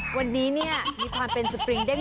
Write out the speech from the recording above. วันนี้เนี่ยมีความเป็นสปริงเด้ง